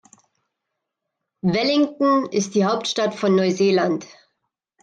Wellington ist die Hauptstadt von Neuseeland.